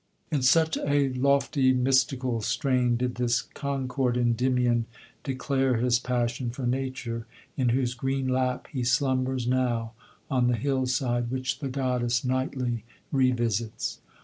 In such a lofty mystical strain did this Concord Endymion declare his passion for Nature, in whose green lap he slumbers now on the hill side which the goddess nightly revisits.